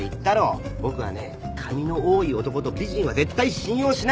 僕はね髪の多い男と美人は絶対信用しないんだよ。